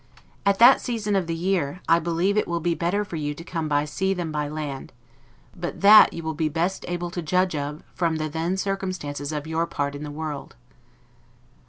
At that season of the year, I believe it will be better for you to come by sea than by land, but that you will be best able to judge of from the then circumstances of your part in the world.